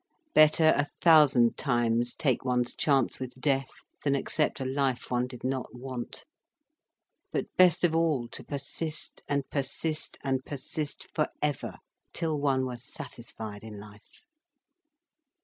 Better a thousand times take one's chance with death, than accept a life one did not want. But best of all to persist and persist and persist for ever, till one were satisfied in life.